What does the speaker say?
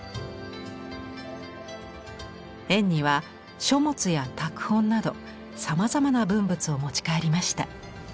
円爾は書物や拓本などさまざまな文物を持ち帰りました。